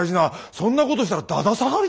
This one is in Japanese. そんなことしたらだだ下がりだぞ？